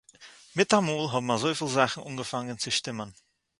מיטאַמאָל האָבן אַזויפיל זאַכן אָנגעפאַנגען צו שטימען